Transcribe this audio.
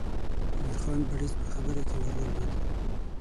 نورخان بړیڅ په خبره کې ور ولوېد.